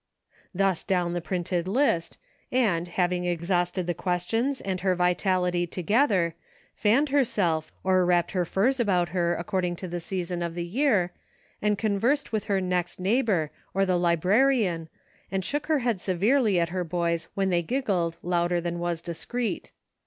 " Thus down the printed list, and, having exhausted the questions and her vitality together, fanned herself, or wrapped her furs about her according to the season of the year, and conversed with her next neighbor, or the libra rian, and shook her head severely at her boys when they giggled louder than was discreet.